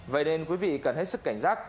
vậy nên quý vị cần hết sức cảnh giác